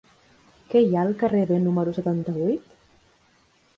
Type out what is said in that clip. Què hi ha al carrer B número setanta-vuit?